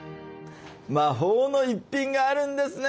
魔法の一品があるんですね。